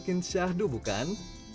makin syahdu bukan